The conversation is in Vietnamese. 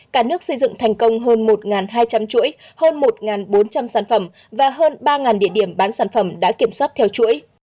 cả nước xây dựng thành công hơn một hai trăm linh chuỗi hơn một bốn trăm linh sản phẩm và hơn ba địa điểm bán sản phẩm đã kiểm soát theo chuỗi